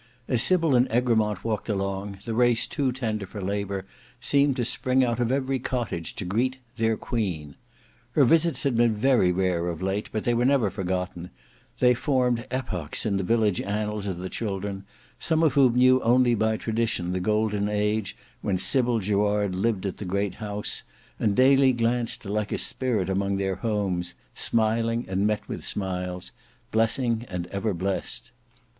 As Sybil and Egremont walked along, the race too tender for labour, seemed to spring out of every cottage to greet "their queen." Her visits had been very rare of late, but they were never forgotten; they formed epochs in the village annals of the children, some of whom knew only by tradition the golden age when Sybil Gerard lived at the great house, and daily glanced like a spirit among their homes, smiling and met with smiles, blessing and ever blessed.